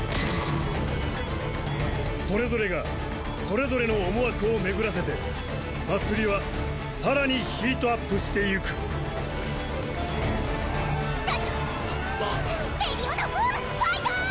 それぞれがそれぞれの思惑を巡らせて祭りは更にヒートアップしてゆく団長じゃなくてメリオダフファイト！